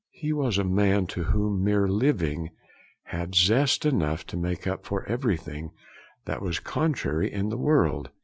He was a man to whom mere living had zest enough to make up for everything that was contrary in the world.